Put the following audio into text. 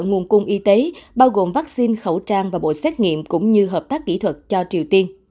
nguồn cung y tế bao gồm vaccine khẩu trang và bộ xét nghiệm cũng như hợp tác kỹ thuật cho triều tiên